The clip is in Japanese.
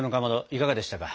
いかがでしたか？